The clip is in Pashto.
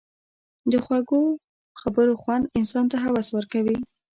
د خوږو خبرو خوند انسان ته هوس ورکوي.